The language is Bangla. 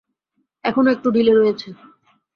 এখনো একটু ঢিলে রয়েছে।